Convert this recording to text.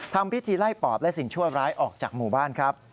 ทำพิธีไล่ปอบและสิ่งชั่วร้ายออกจากหมู่บ้านครับ